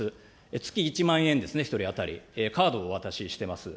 月１万円ですね、１人当たり、カードをお渡ししています。